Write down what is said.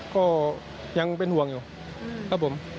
ก็ยังเป็นห่วงอยู่ครับผม